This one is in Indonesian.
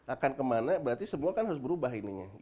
akan kemana berarti semua kan harus berubah ininya